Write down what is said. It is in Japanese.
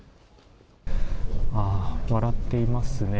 ああ、笑っていますね。